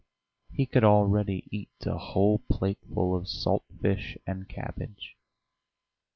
He could already eat a whole plateful of salt fish and cabbage.